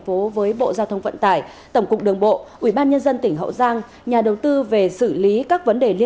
ừ không giờ cô thấy để